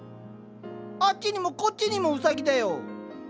あっちにもこっちにもウサギだよ。